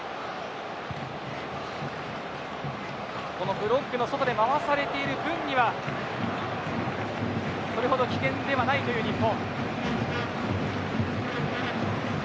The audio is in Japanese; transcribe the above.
ブロックの外で回されている分にはそれほど危険ではないという日本。